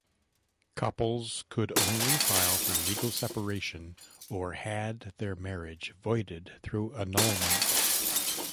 Couples could only file for legal separation or had their marriage voided through annulment.